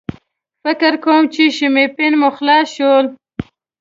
فکر کوم چې شیمپین مو خلاص شول.